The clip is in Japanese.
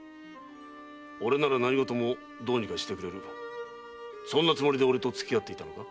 俺なら何ごともどうにかしてくれるそんなつもりで俺とつきあっていたのか？